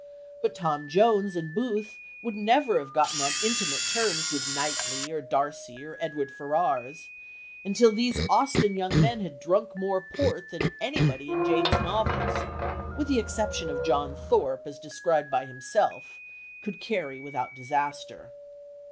But Tom Jones and Booth would never have got on intimate terms with Knightley, or Darcy, or Edward Ferrars, until these Austen young men had drunk more port than anybody in Jane's novels with the exception of John Thorpe as described by himself could carry without disaster.